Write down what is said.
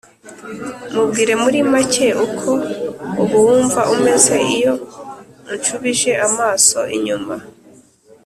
Mubwire muri make uko ubu wumva umeze iyo unshubije amaso inyuma